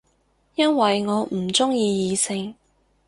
因為我唔鍾意異性